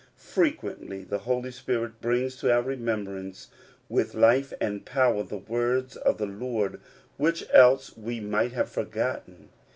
Frequently the Holy Spirit brings to our remem brance with life and power words of the Lord which else we might have forgotten.